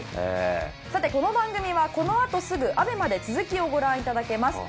さて、この番組はこのあとすぐＡＢＥＭＡで続きをご覧いただけます。